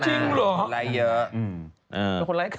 จริงเหรองั้นไลก์เยอะ